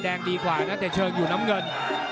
แดงดีขวาอันนัดเดียวเชิงอยู่น้ำเงิน